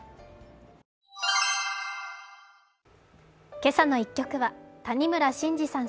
「けさの１曲」は谷村新司さん